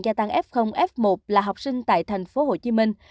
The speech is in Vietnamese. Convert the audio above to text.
gia tăng f f một là học sinh tại thành phố hồ chí minh